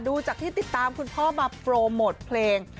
ดูจากที่ติดตามคุณพ่อมาโปรโมทเพลง